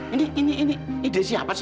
ini ini ide siapa sih